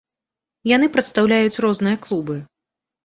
Яны прадстаўляюць розныя клубы.